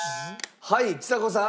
はいちさ子さん。